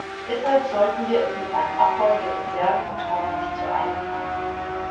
Deshalb sollten wir es mit einem Abbau der Reserveguthaben nicht zu eilig haben.